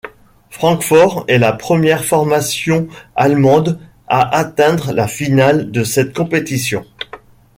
Francfort est la première formation allemande à atteindre la finale de cette compétition.